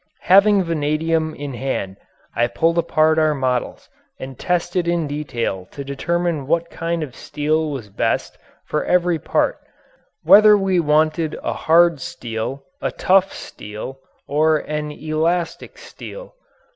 Having vanadium in hand I pulled apart our models and tested in detail to determine what kind of steel was best for every part whether we wanted a hard steel, a tough steel, or an elastic steel.